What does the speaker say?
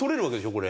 これ。